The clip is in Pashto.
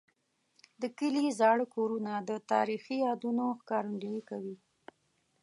د کلي زاړه کورونه د تاریخي یادونو ښکارندوي کوي.